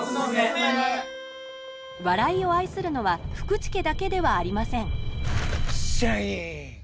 笑いを愛するのは福池家だけではありません「シャイニング」！